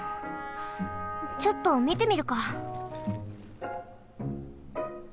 ちょっとみてみるか！